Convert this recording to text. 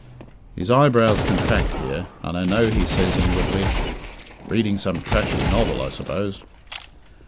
His eyebrows contract here, and I know he says inwardly, "Reading some trashy novel, I suppose."